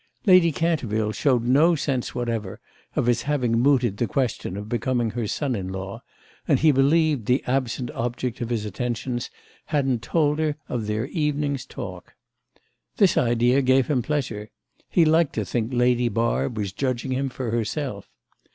Lady Canterville showed no sense whatever of his having mooted the question of becoming her son in law, and he believed the absent object of his attentions hadn't told her of their evening's talk. This idea gave him pleasure; he liked to think Lady Barb was judging him for herself.